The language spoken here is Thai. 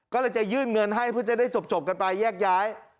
ก็เลยจะยื่นเงินให้เพื่อจะได้จบกันไปแยกย้าย